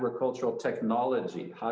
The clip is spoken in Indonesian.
nomor dua teknologi kaya